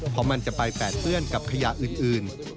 เพราะมันจะไปแปดเปื้อนกับขยะอื่น